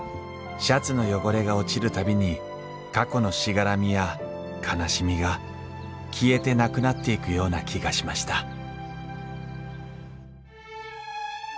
シャツの汚れが落ちる度に過去のしがらみや悲しみが消えてなくなっていくような気がしました